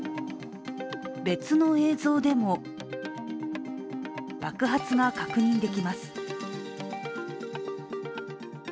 別の映像でも、爆発が確認できます。